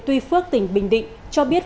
tuy phước tỉnh bình định cho biết